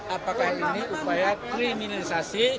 apakah ini upaya kriminalisasi